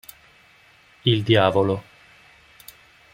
Il diavolo